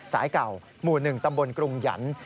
สายเก่าหมู่๑ตำบลกรุงหยันต์